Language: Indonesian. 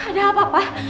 ada apa pak